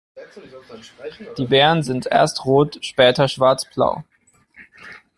Die Beeren sind erst rot, später schwarzblau.